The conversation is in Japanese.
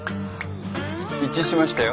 一致しましたよ。